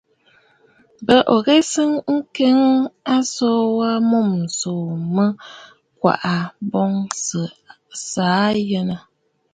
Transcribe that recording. M̀bə ò ghɛ̂sə̀ ŋkəgə aso wa mûm ǹsòò mə kwaʼa boŋ sɨ̀ aa yənə!